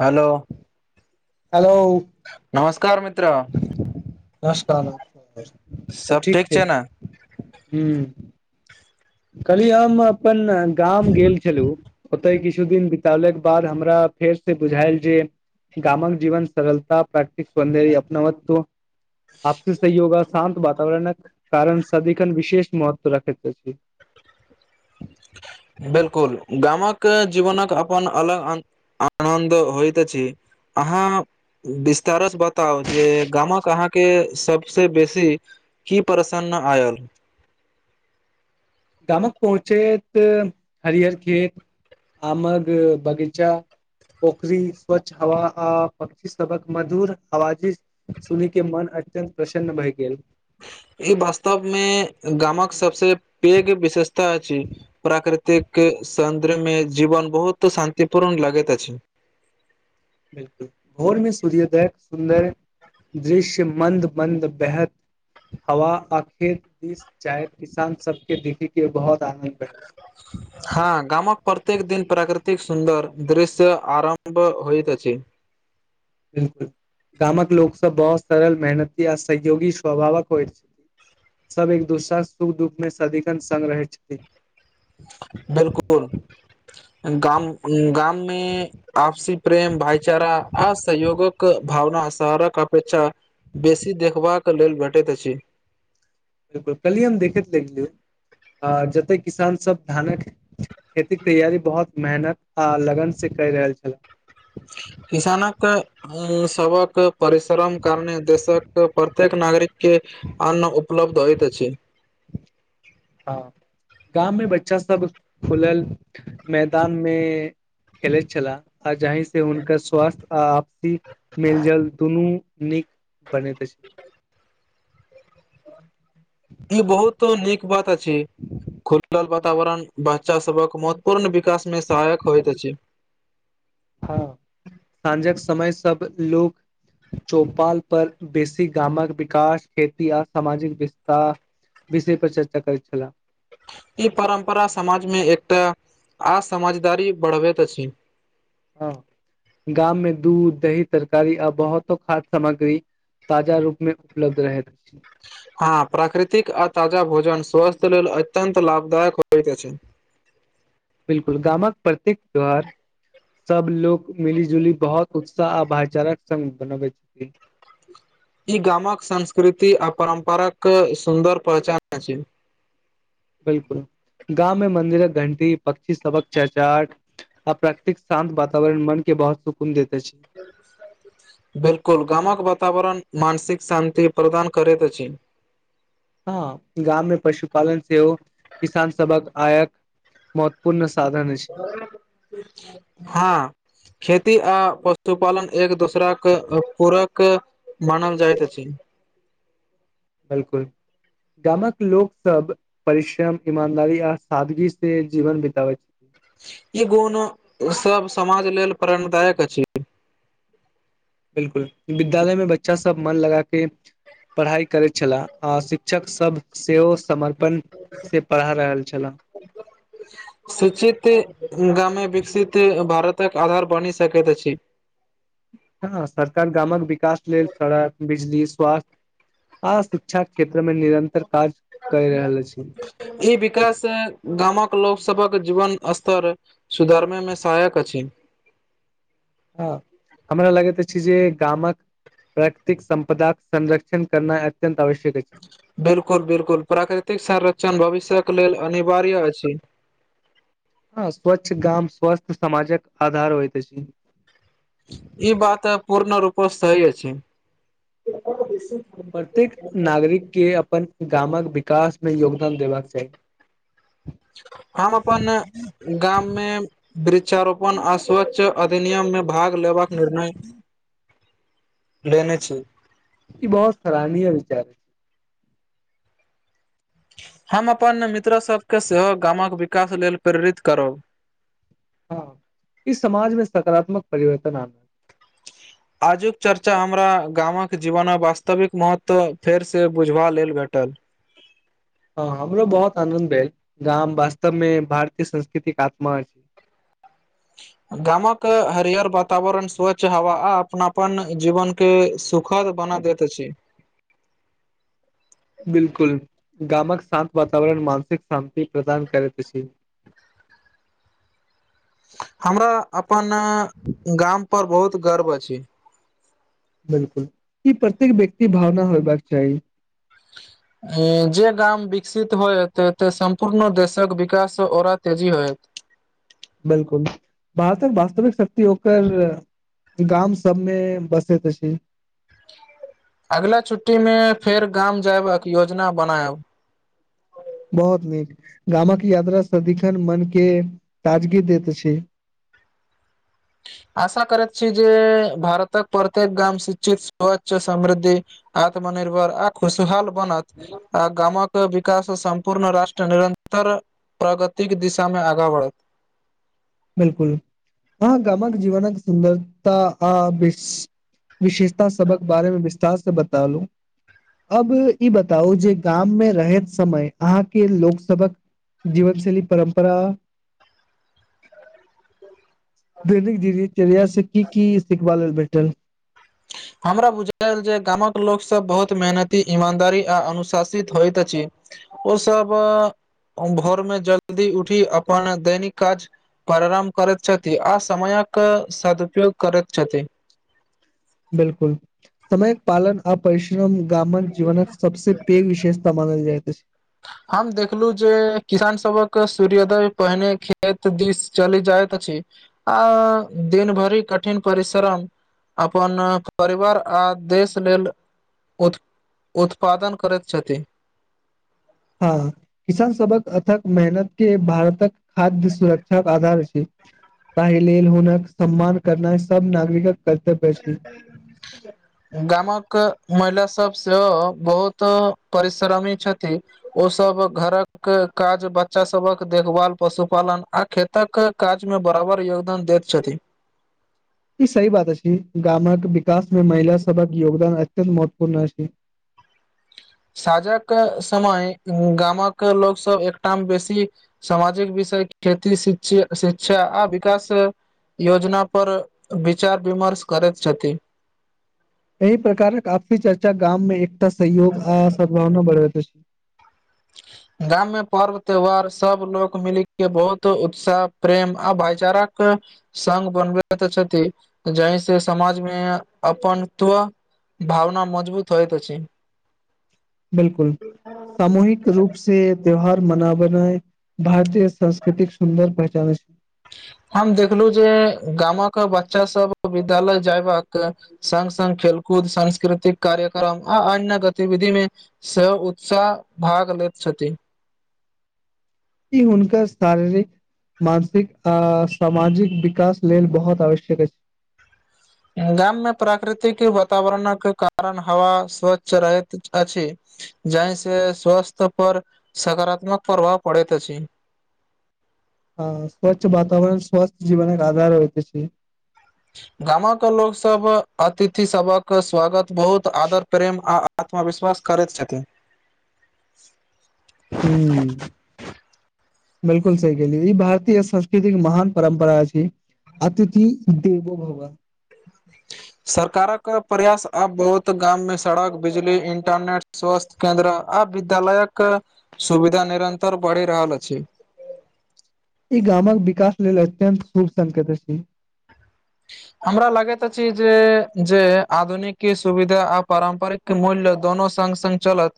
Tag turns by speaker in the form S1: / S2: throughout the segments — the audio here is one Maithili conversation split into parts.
S1: हेलो
S2: हेलो
S1: नमस्कार मित्र
S2: नमस्कार न सब ठीक छै हँ कहली हम अपन गाम गेल छलौं ओतय किछु दिन बितलाके बाद हमरा फेरसँ बुझायल जे गामक जीवन सरलता प्रैक्टिकस सौन्द अपनावत आपसी सहयोग आ शान्त वातावरणक कारण सदिखन विशेष महत्व रखैत अछि।
S1: बिल्कुल गामक जीवनक अपन अलग आनन्द होइत अछि। अहाँ। विस्तारसँ बताउ जे गाम कऽ अहाँकेँ सभसँ बेसी कि प्रसन्न आयल
S2: गाम क पहुँचैत हरिहर खेत आमग बगीचा पोखरी स्वच्छ हवा आ पक्षी सभ कऽ मधुर हवाजी सुनी कऽ मन अत्यन्त प्रसन्न भए गेल।
S1: ई वास्तव मे गाम कऽ सभसे पघ विशेषता अछि प्राकृतिक सौन्दर्य मे जीवन बहुत शान्तिपूर्ण लगैत अछि।
S2: बिल्कूल भोर मे सूर्योदय सुन्दर दृश्य मन्द मन्द बेहद हवा आखेर दिस चाह किसान सभके देखे के बहुत आनद ब [inaudible]
S1: हाँ गाम कऽ प्रत्येक दिन प्राकृतिक सुन्दर दृश्य आरम्भ होइत अछि।
S2: बिल्कूल, गाम कऽ लोग सभ बहुत सरल मेहनती आ सहयोगी स्वभावक होय छै। सभ एक दोसरा सुख दुख मे सदिखन संग रहै छथिन।
S1: बिल्कूल गाम ऊ गाम मे आपसी प्रेम भाईचारा आ सहयोगक भावना शहरकऽ अपेक्षा बेसी देखबा कऽ लेल भेटैत अछि।
S2: बिल्कूल कलही हम देखैत रहिय आ जतय किसान सभ धानक खेती के तैयारी बहुत मेहनत आ लगन से कै रहल छैलय।
S1: किसानक सभक़ँ परिश्रम कारणे देशक प्रत्येक नागरिके अन्न उपलब्ध होइत अछि।
S2: हाँ गाम मे बच्चा सभ खुलल मैदान मे खेलैत छला आ जाहि से हुनका स्वास्थ्य अ निक मेल जोल दुनू नीक बनैत अछि।
S1: ई बहुत नीक बात अछि खुल वातावरण बच्चा सभहक महत्वपूर्ण विकासमे सहायक होइत अछि।
S2: ह साँझक समय सभ लोक चौपाल पर बेसी गाम कऽ विकास खेती आ सामाजिक विस्तार विषय पर चर्चा करैत छेला ह
S1: ई परम्परा समाज मे एकता आ समझदारी बढ़बैत अछि
S2: ह गाम मे दूध दही तरकारी आ बहुतो खाद्य सामग्री ताजा रूपमे उपलब्ध रहैत अछि।
S1: हाँप्राकृतिक आ ताजा भोजन स्वस्थ्य लेल अत्यत लाभदायक होइत अछि।
S2: बिल्कूल, गामक प्रत्येक त्यौहार सभ लोग मिली जुली बहुत उत्साह आ भाईचाराक संग बनबय छथिन।
S1: ई गामकऽ संस्कृति आ परम्पर कऽ सुन्दर पहचान अछि।
S2: बिल्कूल गाव मे मंन्दिरक घंटी पक्षी सबहक चहचहाट आ प्राकृतिक शान्त वातावरण मनके बहुत सुकून देते अछि।
S1: बिल्कूल गामक वातावरण मानसिक शान्ति प्रदान करैत अछि।
S2: हाॅ गाम मे पशुपालन सेहो किसान सभकेँ आयक महत्वपूर्ण साधन अछि
S1: हाँ खेती आ पशुपालन एक दोसराकऽ पूर कऽ मानल जाइत अछि
S2: बिल्कूल गाॅंमक लोग सब परिश्रम ईमानदारी आ सादगी से जीवन बीतावैत अछि।
S1: ई गुण सब समाज लेल प्ररणदायक अछि।
S2: बिल्कुल, विद्यालय मे बच्चा सब मन लगाके पढ़ाइ करैत छलाह, आ शिक्षक सब सेहो समर पन से पढ़ा रहल छला
S1: शिक्षित गाॅंमे विकसित भारतक आधार बनि सकैत अछि।
S2: हाॅं, सरकार गाॅंमक विकास लेल सड़क बिजली स्वास्थ्य आ शिक्षाक क्षेत्र मे निरंतर काज कहि रहल अछि
S1: ई विकास गाॅंमक लोक सभक जीवन स्तर सुधरमे मे सहायक अछि।
S2: हाॅं हमरा लगैत अछि जे गामक प्राकृतिक संपदाक संरक्षण करनाइ अत्यंत आवश्यक अछि।
S1: बिल्कुल बिल्कुल प्राकृतिक संरक्षण भविष्यक लेल अनिवार्य अछि।
S2: हाॅं स्वच्छ गाम स्वस्थ समाजक आधार होइत अछि।
S1: ई बात पूर्ण रूप स सहि अछि।
S2: प्रत्येक नागरिक के अपन गाॅंमक विकास मे योगदान देबाक चाही।
S1: हम अपन गाम मे वृक्षारोपण आ स्वच्छ अधिनियम मे भाग लेबाक निर्णय
S2: [inaudible]
S1: लेने छी।
S2: ई बहुत सराहनीय विचार।
S1: हम अपन मित्र सबके सेहो गामक विकास लेल प्रेरित करब।
S2: हँ इस समाज मे सकारात्मक परिवर्तन आन
S1: आजुक चर्चा हमरा गामक जीवनक वास्तविक महत्व फेरसँ बुझबा लेल भेटल।
S2: हँ हमरो बहुत आनंद भेल गाम वास्तव मे भारतीय संस्कृतिक आत्मा
S1: गामक हरियर वातावरण स्वच्छ हवा आ अपनापन जीवन के सुख खद बना देैत अछि।
S2: बिल्कुल गामक शान्त वातावरण मानसिक शान्ति प्रदान करैत अछि।
S1: हमरा अपन गाम पर बहुत गर्व अछि।
S2: बिल्कुल ई प्रत्येक व्यक्ति भावना होयबाक चाही। [inaudible]
S1: ऐं जे गाम विकसित होयत ते सम्पूर्ण देशक विकास ओरा तेजी होयत।
S2: बिल्कुल भारतक वास्तविक शक्ति ओकर गाम सबमे बसैत अछि।
S1: अगिला छुट्टी मे फेर गाम जायबाक योजना बनायब।
S2: बहुत नीक गामक यात्रा सदिखन मन के ताजगी देैत अछि।
S1: आशा करैत छी जे भारतक प्रत्येक गाम शिक्षित स्वच्छ समृद्धि। आत्मनिर्भर आ खुशहाल बनत आ गामक विकास संपूर्ण राष्ट्र निरंतर प्रगतिक दिशा मे आगाँ बढ़त
S2: बिल्कुल हँ गामक जीवनक सुन्दरता आ बिश विशेषता सबक बारेमे विस्तार से बतालूं अब ई बताउ जे गाम मे रहैत समय अहाँके लोक सबक जीवनशैली परम्परा दैनिक दिनिरिया से की की सिखबा लेल भेटल।
S1: हमरा बुझायल जे गामक लोक सब बहुत मेहनती ईमानदारी आ अनुशासित होइत अछि ओ सब भोरमे जल्दी उठी अपन दैनिक काज पररम करैत छथि अ समयक सदुपयोग करैत छथि
S2: बिल्कुल समयक पालन आ परिश्रम गामक जीवन सबसे पेघ विशेषता मानल जाइ त अछि
S1: हम देखलू जे किसान सबक सूर्योदय पहिने खेत दिस चली जाइत अछि आ दिन भरि कठिन परिश्रम अपन परिवार आ देश लेल उत उत्पादन करैत छथि
S2: हँ किसान सबहक अथक मेहनत के भार तक खाद्य सुरक्षाक आधार अछि ताहि लेल हुनक सम्मान करनाइ सब नागरिकक कर्तव्य
S1: त
S2: अछि
S1: [unintelligible] गामक महिला सब सेहो बहुत परिश्रमी छथि ओसभ घरक काज बच्चा सबक देखभाल पशुपालन आ खेत तक काज मे बराबर योगदान दैत छथि
S2: ई सही बात अछि गामक विकास मे महिला सबक योगदान अत्यंत महत्वपूर्ण अछि
S1: साझक समय गामक लोक सब एकटाम बेसी सामाजिक विषय खेती शिक्षि शिक्षा आ विकास योजना पर विचार विमर्श करैत छथि
S2: एहि प्रकारक आपसी चर्चा गाममे एकता सहयोग आ सद्भावना बढ़बैत अछि ह [inaudible]
S1: गाम मे पर्व त्यौहार सब लोक मिल के बहुत उत्साह प्रेम आ भाईचाराके संग बनबैत छथि जहिसे समाजमे अपन त्व भावना मजबूत होइत अछि
S2: बिल्कुल, सामूहिक रूप से त्यौहार मनाबनैय भारतीय संस्कृतिक सुन्दर पहचाने अछि
S1: हम देखलू जे गामक बच्चा सब विद्यालय जय बक संग संग खेलकूद सांस्कृति कार्यक्रम आ अन्य गतिविधि मे स उत्साह भाग लेैत छथि
S2: ई हुनकर शारीरिक मानसिक आ सामाजिक विकास लेल बहुत आवश्यक अछि
S1: गाम मे प्राकृतिक वातावरणक कारण हवा स्वच्छ रहैत अछि जाहि से स्वस्थ्य पर सकारात्मक प्रभाव पड़ैत अछि
S2: आ स्वच्छ वातावरण स्वच्छ जीवनक आधार होइत अछि
S1: गामक लोक सब अतिथि सबक स्वागत बहुत आदर प्रेम आ अथवा विश्वास करैत छथिन
S2: हू बिल्कुल सही कहलियै ई भारतीय संस्कृति महान परम्परा छै अतिथि देवो भवऽ [inaudible]
S1: सरकारक प्रयास अब बहुत गाम मे सड़क बिजली इंटरनेट स्वस्थ्य केन्द्र आ विद्यालयक सुविधा निरन्तर बढ़ि रहल अछि
S2: ई गामक विकास लेल अत्यंत शुभ संकेत अछी
S1: हमरा लागैत अछि जे, जे आधुनिकी सुविधा आ पारम्परिक के मूल्य दोनो संग संग चलत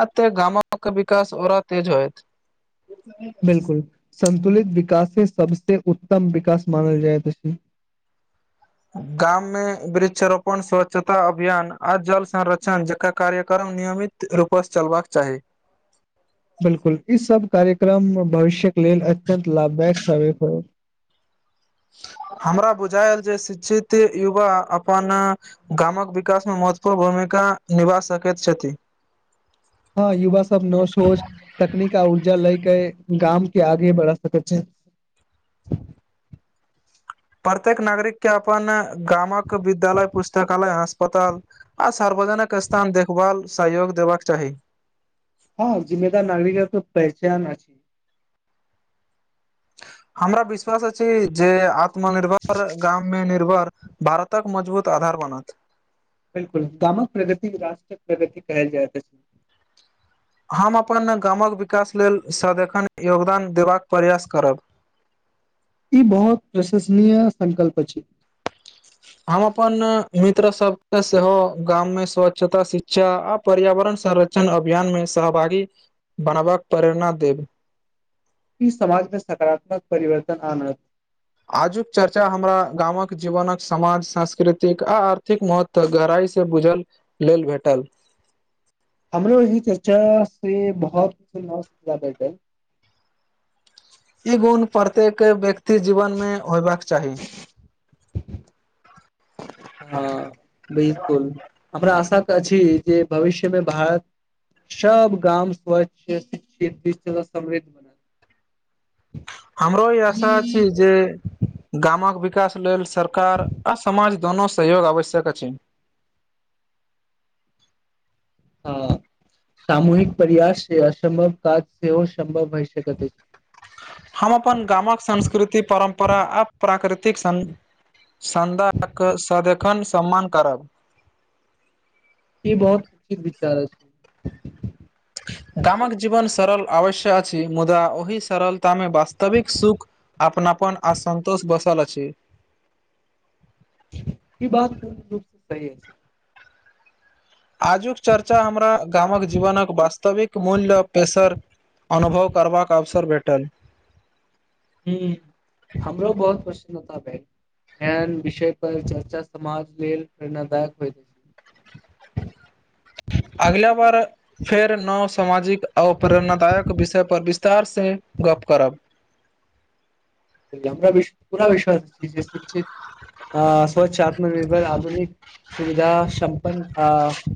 S1: आ ते गामक विकास औरा तेज होयत
S2: बिलकुल संतुलित विकासे सभसे उत्तम विकास मानल जाय अछि
S1: गाममे वृक्षरोपण स्वच्छता अभियान आ जल संरक्षण जकर कार्यक्रम नियमित रूपसँ चलबाक चाही।
S2: बिलकुल ई सभ कार्यक्रम मे भविष्य के लेल अत्यंत लाभदायक स्वागत अइ
S1: हमरा बुझाई अइ जे शिक्षित युवा अपन गाम कऽ विकास मे महत्वपूर्ण भूमिका निभा सकैत छथि
S2: हँ युवा सभ मे सोच तकनीक आ ऊर्जा लए के गाम के आगे बढ़ा सकैत छै
S1: प्रत्येक नागरिक के अपन गाम कऽ विद्यालय पुस्तकालय हस्पताल आ सार्वजनकिक स्थान देखभाल सहयोग देबाकऽ चाही
S2: ह जिम्मेदार नागरिक के त पहिचान अछि
S1: हमरा विश्वास अछि जे आत्मनिर्भर गाममे निर्भर भारत कऽ मजबूत आधार बनत
S2: गाम कऽ प्रगति राष्ट्रक प्रगति कहल जायत अछि
S1: हम अपन गाम कऽ विकास लेल सदखन योगदान देबाक प्रयास करब
S2: ई बहुत प्रशंसनीय सकल्प अछि
S1: हम अपन मित्र सभके सेहो गाम मे स्वच्छता शिक्षा आ पर्यावरण संरक्षण अभियानमे सहभागी बनबाक प्रेरणा देब
S2: इ समाज मे सकारात्मक परिवर्तन आनत।
S1: आजुक चर्चा हमरा गाम कऽ जीवनक समान सांस्कृतिक आ आर्थिक महत्व त गहराइ से बुझल लेल भेटल
S2: हमरो इ चर्चासे बहुत मस्त भेटल
S1: ई गुण प्रत्येक व्यक्ति जीवन मे होयबाक चाही।
S2: हँ बिल्कूल हमरा आशा अछिये जे भविष्यमे भारत सभ गाम स्वच्छ शिक्षित समृद्ध हो
S1: हमरो ई आशा अछि
S2: हँ
S1: जे गाम कऽ विकास लेल सरकार आ समाज दुनोू सहयोग आवश्यक अछि
S2: ह सामूहिक प्रयास से असम्भव काज सेहो सम्भव होइ सकैत अछि
S1: हम अपन गाम कऽ संस्कृति परम्परा आ प्राकृतिक सँ चन्दाके सदिखन सम्मान करब।
S2: ई बहुत उचित विचार छै।
S1: दामक जीवन सरल अवश्य अछि मुदा ओहि सरल तमे वास्तविक सुख। अपना पन असन्तोष बसल अछि।
S2: ई बात प रूपसँ सही
S1: आजुक चर्चा हमरा गाम कऽ जीवनक वास्तविक मूल्य पेसर अनुभव करबाक अवसर भेटल।
S2: हमरो बहुत पसन्नता भ एहन विषय पर चर्चा समाज लेलऽ प प्रेरणादायक होत छै
S1: अगला बार। फेर नव सामाजिक आओ प्रेरणादायक विषयपर विस्तारसँ गप करब
S2: हमरा पूरा विश्वास छै जे शिक्षित स्वच्छ आत्मनिर्भर आधुनिक सुविधा सम्पन्न अ